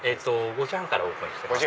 ５時半からオープンしてます。